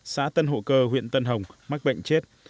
xã tân hộ cơ huyện tân hồng mắc bệnh chết